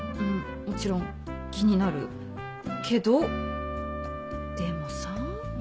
もちろん気になるけどでもさ。